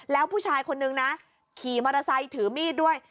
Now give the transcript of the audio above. แล้วผู้ชายคนนึงนะขี่มอเตอร์ไซค์ถือมีดด้วย